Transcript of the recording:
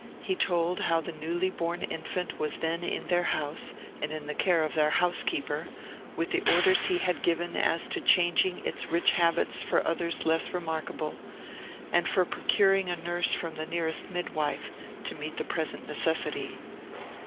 He told how the newly born infant was then in their house, and in the care of their housekeeper, with the orders he had given as to changing its rich habits for others less remarkable, and for procuring a nurse from the nearest midwife, to meet the present necessity.